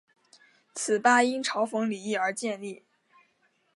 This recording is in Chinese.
此吧因嘲讽李毅而建立。